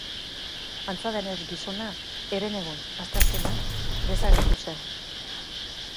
Antza denez, gizona herenegun, asteazkena, desagertu zen.